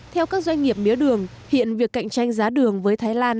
theo các doanh nghiệp mía đường hiện việc cạnh tranh giá đường với thái lan